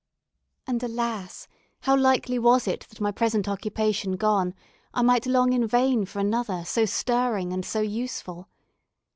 And, alas! how likely was it that my present occupation gone, I might long in vain for another so stirring and so useful.